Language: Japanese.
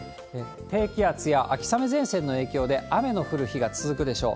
低気圧や秋雨前線の影響で、雨の降る日が続くでしょう。